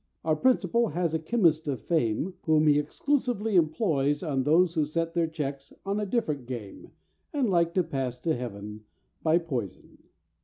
Our principal has a chemist of fame, Whom he exclusively employs on Those who set their checks on a different game And like to pass to heaven by poison.